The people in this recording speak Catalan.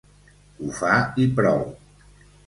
Ho fa i prou.